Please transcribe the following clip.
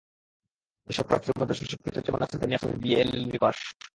এসব প্রার্থীর মধ্যে স্বশিক্ষিত যেমন আছেন, তেমনি আছেন বিএ, এলএলবি পাশ।